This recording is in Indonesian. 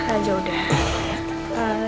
ah jauh dah